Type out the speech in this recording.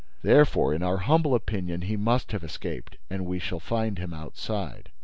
Therefore, in our humble opinion, he must have escaped and we shall find him outside."